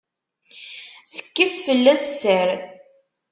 Tekkes fell-as sser.